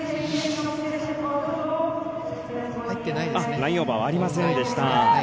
ラインオーバーはありませんでした。